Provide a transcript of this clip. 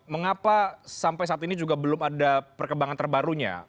mengapa sampai saat ini juga belum ada perkembangan terbarunya